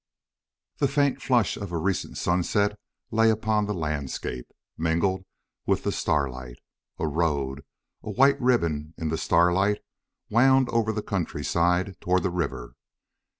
The faint flush of a recent sunset lay upon the landscape, mingled with the starlight. A road a white ribbon in the starlight wound over the countryside toward the river.